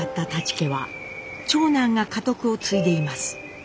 家は長男が家督を継いでいます。